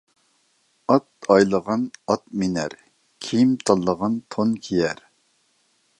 ئات ئايلىغان ئات مىنەر، كىيىم تاللىغان تون كىيەر.